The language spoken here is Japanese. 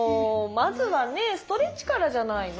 まずはストレッチからじゃないの？